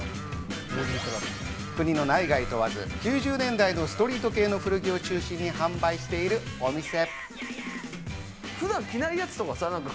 国の内外問わず、９０年代のストリート系の古着を中心に販売しているお店。